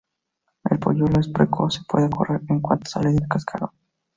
El polluelo es precoz y puede correr en cuanto sale del cascarón.